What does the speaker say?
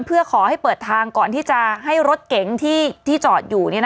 เพื่อขอให้เปิดทางก่อนที่จะให้รถเก๋งที่จอดอยู่